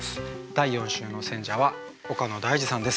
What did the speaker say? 第４週の選者は岡野大嗣さんです。